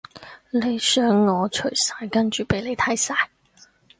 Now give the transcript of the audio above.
你想我除晒跟住畀你睇晒？